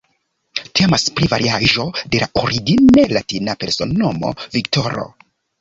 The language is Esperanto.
Temas pri variaĵo de la origine latina persona nomo "Viktoro".